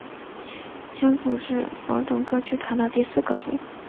星组是宝冢歌剧团的第四个组。